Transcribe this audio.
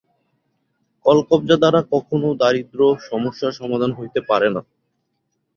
কলকব্জা দ্বারা কখনও দারিদ্র্য-সমস্যার সমাধান হইতে পারে না।